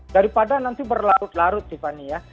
daripada nanti berlarut larut tiffany ya